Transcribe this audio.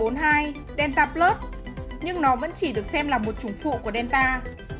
như ai bốn mươi hai delta plus nhưng nó vẫn chỉ được xem là một chủng phụ của delta